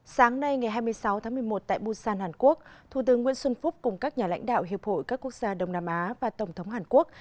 sáng nay ngày hai mươi sáu tháng một mươi một tại busan hàn quốc thủ tướng nguyễn xuân phúc cùng các nhà lãnh đạo hiệp hội các quốc gia đông nam á và tổng thống hàn quốc